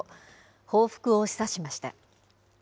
報復を示唆しました。